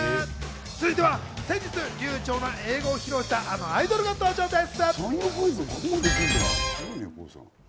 続いては先日、流暢な英語を披露した、あのアイドルが登場です。